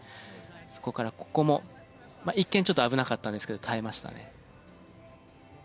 そこからここも一見ちょっと危なかったんですけど耐えましたね。